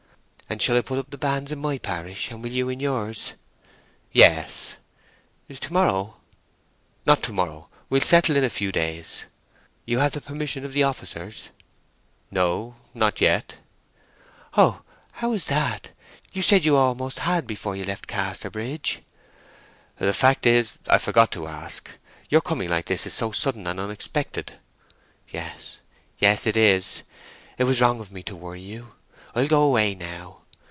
"And shall I put up the banns in my parish, and will you in yours?" "Yes" "To morrow?" "Not to morrow. We'll settle in a few days." "You have the permission of the officers?" "No, not yet." "O—how is it? You said you almost had before you left Casterbridge." "The fact is, I forgot to ask. Your coming like this is so sudden and unexpected." "Yes—yes—it is. It was wrong of me to worry you. I'll go away now.